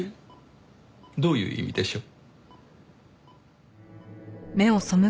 どういう意味でしょう？